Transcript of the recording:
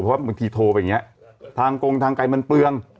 เพราะว่าบางทีโทรไปอย่างนี้ทางกงทางไกลมันเปลือง